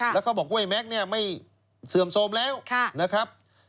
แล้วเขาบอกกล้วยแม็กซ์เนี่ยไม่เสื่อมโทรมแล้วนะครับ